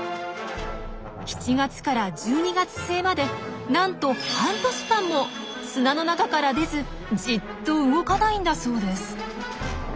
７月から１２月末までなんと半年間も砂の中から出ずじっと動かないんだそうです。